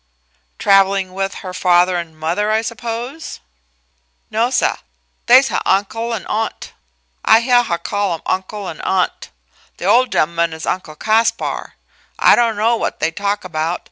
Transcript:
"Traveling with her father and mother, I suppose?" "No, suh; they's huh uncle and aunt. I heah huh call 'em uncle an' aunt. Th' ole gent'man is Uncle Caspar. I don' know what they talk 'bout.